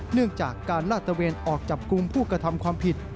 เนื่องจากการลาดตะเวนออกจับกลุ่มผู้กระทำความผิด